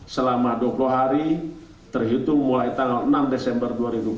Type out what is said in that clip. selama dua puluh hari terhitung mulai tanggal enam desember dua ribu dua puluh